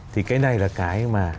thì cái này là cái mà